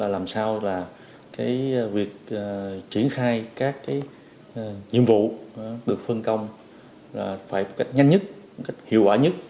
làm sao là cái việc triển khai các cái nhiệm vụ được phân công là phải cách nhanh nhất cách hiệu quả nhất